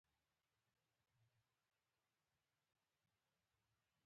نيولی يم له پښو څخه هر ګام او د چا ياد